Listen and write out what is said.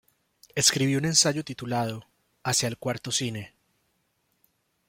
Escribió un ensayo titulado Hacia el cuarto cine.